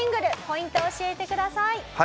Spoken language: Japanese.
ポイント教えてください。